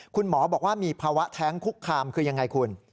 คุณหมอบอกว่ามีภาวะแท้งคุกคามคือยังไงคุณ